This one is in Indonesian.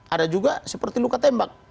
ada juga seperti luka tembak